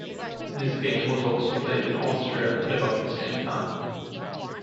This game was also played in Austria at about the same time.